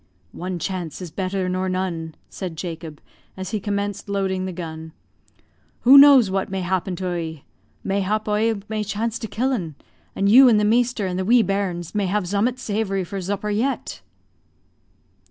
"One chance is better nor none," said Jacob, as he commenced loading the gun. "Who knows what may happen to oie? Mayhap oie may chance to kill 'un; and you and the measter and the wee bairns may have zummut zavory for zupper yet."